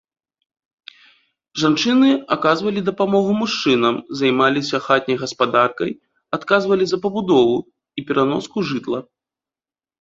Жанчыны аказвалі дапамогу мужчынам, займаліся хатняй гаспадаркай, адказвалі за пабудову і пераноску жытла.